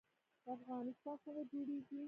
افغانستان څنګه جوړیږي؟